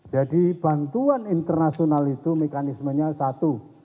jadi bantuan internasional itu mekanismenya satu